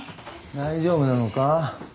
大丈夫なのか？